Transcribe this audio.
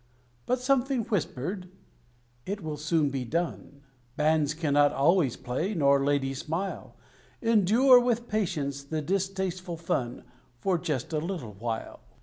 But something whispered "It will soon be done: Bands cannot always play, nor ladies smile: Endure with patience the distasteful fun For just a little while!"